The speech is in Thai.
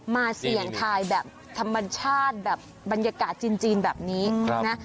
เสี่ยงทายแบบธรรมชาติแบบบรรยากาศจีนแบบนี้นะ